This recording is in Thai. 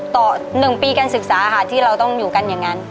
ต่อ๑ปีการศึกษาค่ะที่เราต้องอยู่กันอย่างนั้น